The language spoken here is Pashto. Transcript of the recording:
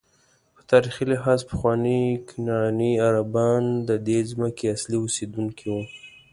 په تاریخي لحاظ پخواني کنعاني عربان ددې ځمکې اصلي اوسېدونکي وو.